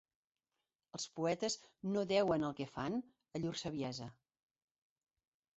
Els poetes no deuen el que fan a llur saviesa.